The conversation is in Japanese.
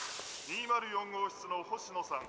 ２０４号室の星野さん。